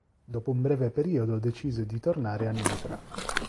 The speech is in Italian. Dopo un breve periodo decise di tornare a Nitra.